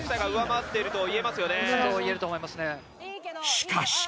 しかし。